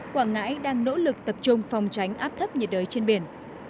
quảng ngãi đang nỗ lực tập trung phòng tránh áp thấp nhiệt đới trên biển